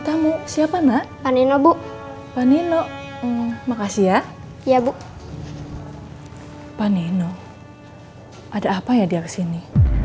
tamu siapa nak panino bu panino makasih ya iya bu panino ada apa ya dia kesini